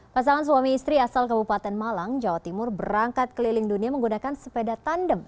pasangan suami istri asal kabupaten malang jawa timur berangkat keliling dunia menggunakan sepeda tandem